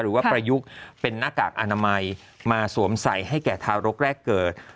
ประยุกต์เป็นหน้ากากอนามัยมาสวมใส่ให้แก่ทารกแรกเกิด